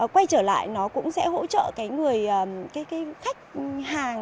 quay trở lại nó cũng sẽ hỗ trợ khách hàng